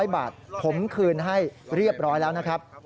๐บาทผมคืนให้เรียบร้อยแล้วนะครับ